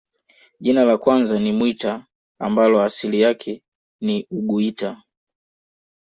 Jina la kwanza ni Mwita ambalo asili yake ni uguita